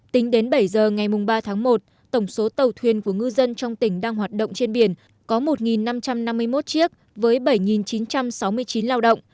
tính đến bảy giờ ngày ba tháng một tổng số tàu thuyền của ngư dân trong tỉnh đang hoạt động trên biển có một năm trăm năm mươi một chiếc với bảy chín trăm sáu mươi chín lao động